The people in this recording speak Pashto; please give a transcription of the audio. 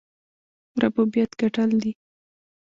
ربوبیت ګټل دی.